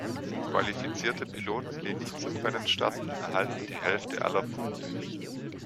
Qualifizierte Piloten, die nicht zum Rennen starten, erhalten die Hälfte aller Punkte.